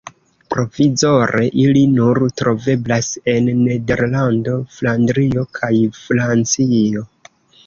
Provizore ili nur troveblas en Nederlando, Flandrio kaj Francio.